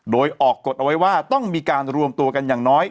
โดยออกกฎเอาไว้ว่าต้องมีการรวมตัวกันอย่างน้อย